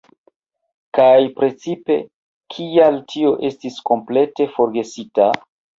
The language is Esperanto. Kaj precipe, kial tio estis komplete forgesita?